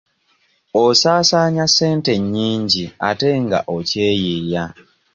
Osaasaanya ssente nnyingi ate nga okyeyiiya.